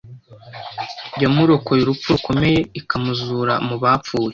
yamurokoye urupfu rukomeye ikamuzura mu bapfuye